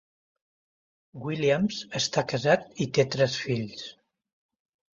Williams està casat i té tres fills.